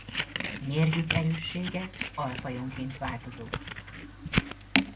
Mérgük erőssége alfajonként változó.